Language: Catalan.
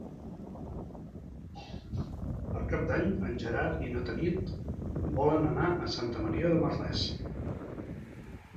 Per Cap d'Any en Gerard i na Tanit volen anar a Santa Maria de Merlès.